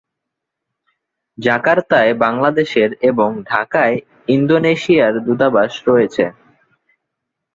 জাকার্তায় বাংলাদেশের এবং ঢাকায় ইন্দোনেশিয়ার দূতাবাস রয়েছে।